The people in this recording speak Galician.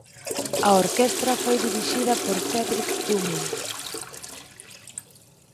A orquestra foi dirixida por Cédric Dumont.